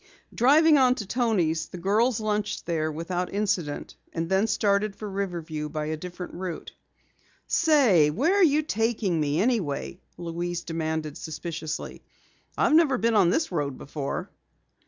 Driving on to Toni's, the girls lunched there without incident, and then started for Riverview by a different route. "Say, where are you taking me anyway?" Louise demanded suspiciously. "I've never been on this road before."